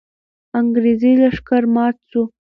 انګریزي لښکر مات سو.